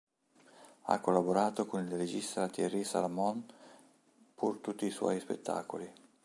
Ha collaborato con il regista Thierry Salmon pour tutti i suoi spettacoli.